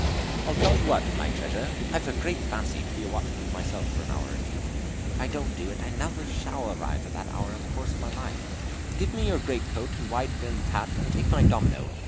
"I'll tell you what, my treasure, I've a great fancy to be a watchman myself for an hour or two. If I don't do it now, I shall never arrive at that honor in the course of my life. Give me your great coat and wide brimmed hat, and take my domino.